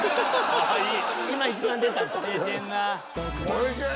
おいしい。